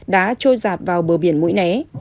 đã trôi giặt vào bờ biển mũi né